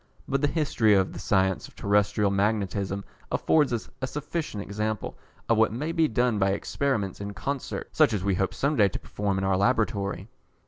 But the history of the science of terrestrial magnetism affords us a sufficient example of what may be done by Experiments in Concert, such as we hope some day to perform in our Laboratory.